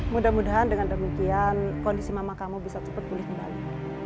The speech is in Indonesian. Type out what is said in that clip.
mudah mudahan dengan demikian kondisi mama kamu bisa cepat pulih kembali